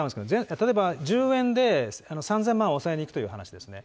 例えば、１０円で３０００万を押さえにいくという話ですね。